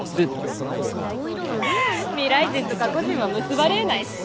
ははっ未来人と過去人は結ばれえないし。